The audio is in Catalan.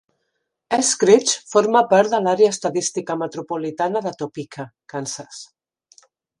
Eskridge forma part de l'Àrea Estadística Metropolitana de Topeka, Kansas.